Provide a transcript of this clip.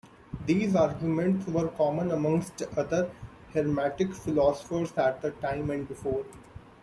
These arguments were common amongst other hermetic philosophers at the time and before.